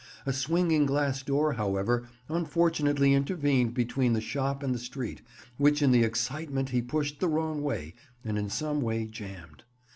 A swinging glass door, however, unfortunately intervened between the shop and the street, which in the excitement he pushed the wrong way, and in some way jammed.